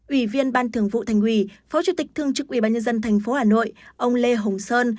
ủy viên ban thường vụ thành quỷ phó chủ tịch thương trực ubnd thành phố hà nội ông lê hồng sơn